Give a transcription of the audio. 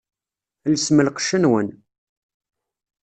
Lsem lqecc-nwen!